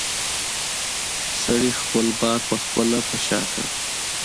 سړي خپل بار پخپله په شا کړ.